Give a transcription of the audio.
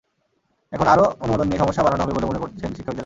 এখন আরও অনুমোদন দিয়ে সমস্যা বাড়ানো হবে বলে মনে করছেন শিক্ষাবিদেরা।